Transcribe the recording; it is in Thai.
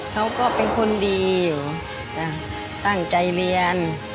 เขาก็เป็นคนดีอยู่ตั้งใจเรียน